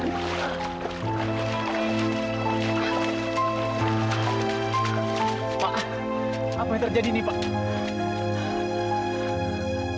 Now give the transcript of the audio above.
pak apa yang terjadi ini pak